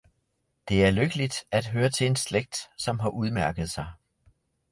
Det er lykkeligt at høre til en slægt, som har udmærket sig!